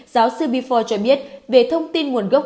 giáo sư bifor cho biết về thông tin nguồn gốc